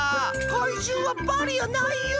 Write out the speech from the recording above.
かいじゅうはバリアーないユー！